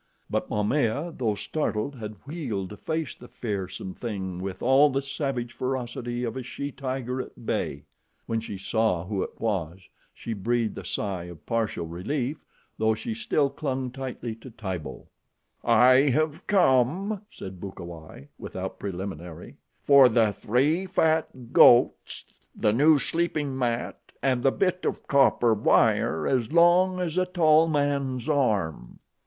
But Momaya, though startled, had wheeled to face the fearsome thing with all the savage ferocity of a she tiger at bay. When she saw who it was, she breathed a sigh of partial relief, though she still clung tightly to Tibo. "I have come," said Bukawai without preliminary, "for the three fat goats, the new sleeping mat, and the bit of copper wire as long as a tall man's arm."